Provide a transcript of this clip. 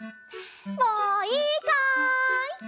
もういいかい？